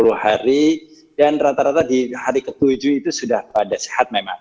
sepuluh hari dan rata rata di hari ke tujuh itu sudah pada sehat memang